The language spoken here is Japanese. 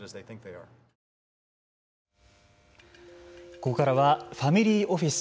ここからはファミリーオフィス